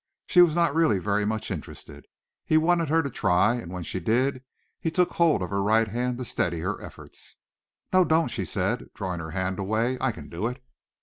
She was not really very much interested. He wanted her to try and when she did, took hold of her right hand to steady her efforts. "No, don't," she said, drawing her hand away. "I can do it."